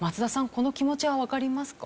この気持ちはわかりますか？